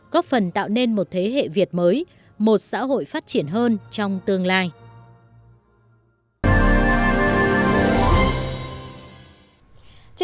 góp phần tạo nên một thế hệ việt mới một xã hội phát triển hơn trong tương lai